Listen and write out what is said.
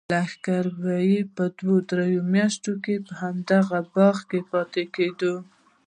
لښکر به یې دوه درې میاشتې په همدې باغ کې پاتې کېده.